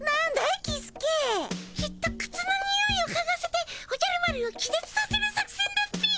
きっとくつのにおいをかがせておじゃる丸を気絶させる作戦だっピィ。